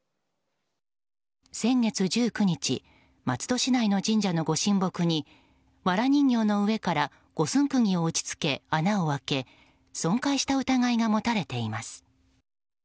先月１９日松戸市内の神社の御神木にわら人形の上から五寸釘を打ち付け穴を開け損壊した疑いが持たれています。